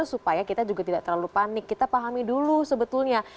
supaya kita juga tidak terlalu panik kita pahami dulu sebetulnya